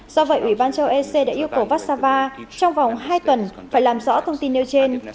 do vậy ủy ban châu ec đã yêu cầu vassava trong vòng hai tuần phải làm rõ thông tin nêu trên